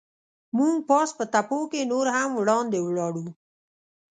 موږ پاس په تپو کې نور هم وړاندې ولاړو.